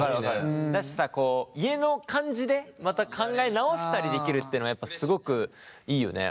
だしさ家の感じでまた考え直したりできるっていうのはやっぱすごくいいよね。